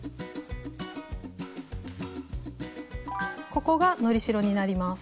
ここがのり代になります。